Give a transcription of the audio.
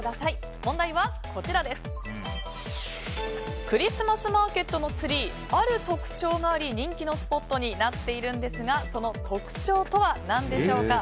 問題は、クリスマスマーケットのツリーには、ある特徴があって人気のスポットになっているんですがその特徴は何でしょうか？